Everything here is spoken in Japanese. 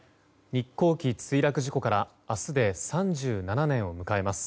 日航機墜落事故から明日で３７年を迎えます。